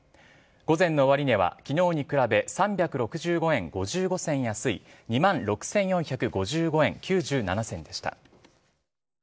午前の終値はきのうに比べ３６５円５５銭安い、２万６４５５円９７銭でした。